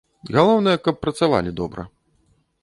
Галоўнае, каб працавалі добра.